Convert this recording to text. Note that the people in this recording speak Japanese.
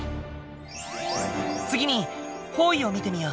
次に方位を見てみよう。